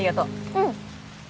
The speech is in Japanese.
うん。